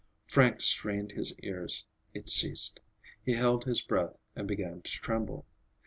Frank strained his ears. It ceased. He held his breath and began to tremble.